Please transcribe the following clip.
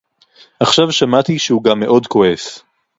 עכשיו שמעתי שהוא גם מאוד כועס